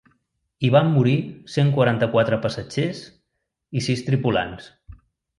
Hi van morir cent quaranta-quatre passatgers i sis tripulants.